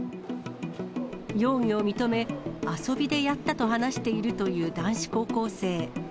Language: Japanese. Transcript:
容疑を認め、遊びでやったと話しているという男子高校生。